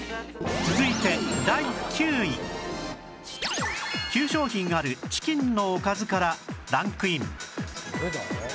続いて９商品あるチキンのおかずからランクイン